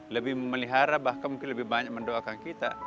lebih memelihara bahkan mungkin lebih banyak mendoakan kita